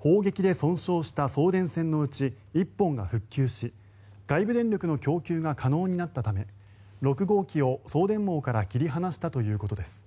砲撃で損傷した送電線のうち１本が復旧し外部電力の供給が可能になったため６号機を送電網から切り離したということです。